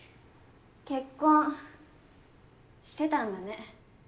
結婚してたんだね。